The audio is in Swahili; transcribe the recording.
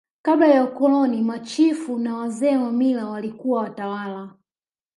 kabla ya ukoloni machifu na wazee wa mila walikuwa watawala